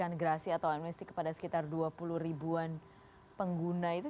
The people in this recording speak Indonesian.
kira kira grasi atau amnesti kepada sekitar dua puluh ribuan pengguna itu